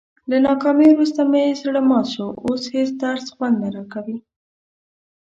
له ناکامۍ ورسته مې زړه مات شو، اوس هېڅ درس خوند نه راکوي.